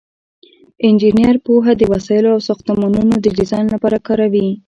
انجینر پوهه د وسایلو او ساختمانونو د ډیزاین لپاره کاروي.